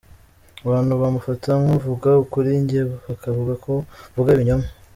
Abantu bamufata nk’uvuga ukuri njye bakavuga ko mvuga ibinyoma.